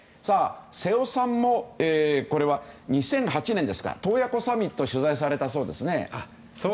瀬尾さんも２００８年洞爺湖サミットを取材されたそうですね。